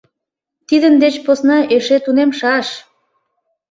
Тидын деч посна эше тунемшаш!